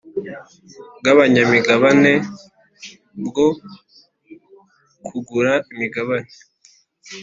bw abanyamigabane bwo kugura imigabane